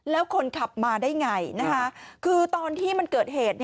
แล้วคนขับมาได้ไงคือตอนที่มันเกิดเหตุ